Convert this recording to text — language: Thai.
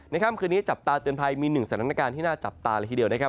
ค่ำคืนนี้จับตาเตือนภัยมีหนึ่งสถานการณ์ที่น่าจับตาเลยทีเดียวนะครับ